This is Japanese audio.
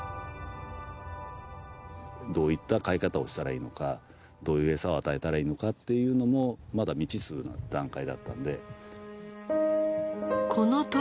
どういった飼い方をしたらいいのかどういうエサを与えたらいいのかっていうのもまだ未知数の段階だったので。